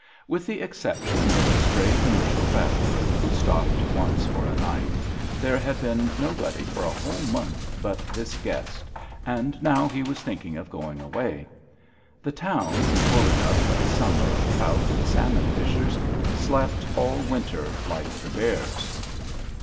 With the exception of a stray commercial traveller, who stop ped once for a night, there had been nobody for a whole month but this guest, and now he was thinking of going away. The town, full enough in summer of trout and salmon fishers, slept all winter like the bears.